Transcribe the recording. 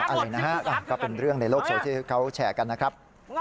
อะไรนะฮะก็เป็นเรื่องในโลกโซเชียลเขาแชร์กันนะครับ